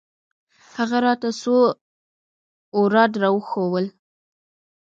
هغه راته څو اوراد راوښوول.